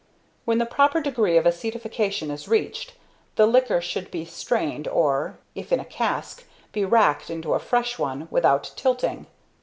] When the proper degree of acetification is reached, the liquor should be strained, or, if in a cask, be racked into a fresh one, without tilting.